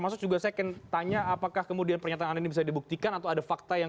maksud juga saya ingin tanya apakah kemudian pernyataan anda ini bisa dibuktikan atau ada fakta yang